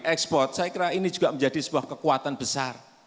ekspor saya kira ini juga menjadi sebuah kekuatan besar